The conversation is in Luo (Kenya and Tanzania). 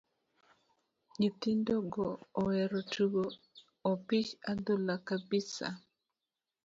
Nyithindo go oero tugo opich adhula kabisa.